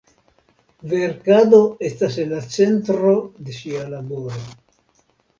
Verkado estas en la centro de ŝia laboro.